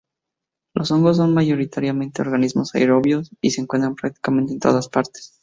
Los hongos son mayoritariamente organismos aerobios, y se encuentran prácticamente en todas partes.